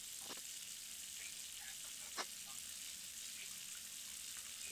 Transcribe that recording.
na kuanza kupigana upande wa serikali yaani baadae